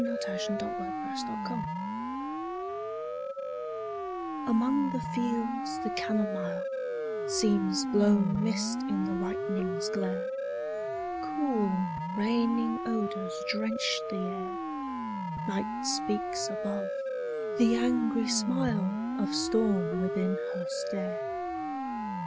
THE WINDOW ON THE HILL Among the fields the camomile Seems blown mist in the lightning's glare: Cool, rainy odors drench the air; Night speaks above; the angry smile Of storm within her stare.